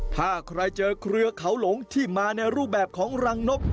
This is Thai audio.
ถ้าใครเจอเครือเขาหลงที่มาในรูปแบบของรังนก